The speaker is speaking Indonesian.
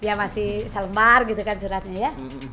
dia masih salembar gitu kan suratnya ya